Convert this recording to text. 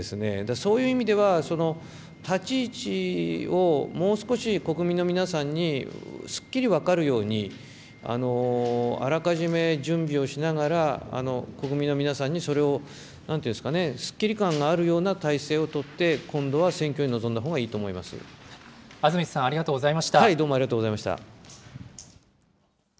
そういう意味では、立ち位置をもう少し国民の皆さんにすっきり分かるように、あらかじめ準備をしながら、国民の皆さんにそれを、なんていうんですかね、すっきり感があるような体制を取って、今度は選挙に臨んだほ安住さん、ありがとうございどうもありがとうございまし